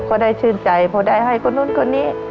ก็ได้ชื่นใจพอได้ให้คนนู้นคนนี้